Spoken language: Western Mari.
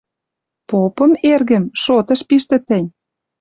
Попым, эргӹм, шотыш пиштӹ тӹнь.